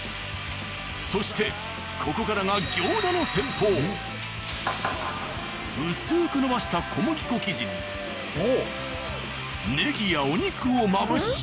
そしてここからが薄く伸ばした小麦粉生地にねぎやお肉をまぶし。